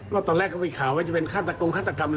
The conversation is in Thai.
ว่าตอนแรกไปข่าวว่าจะเป็นค้าตกรมค้าตกรรมอะไร